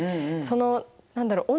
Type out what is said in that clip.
その何だろう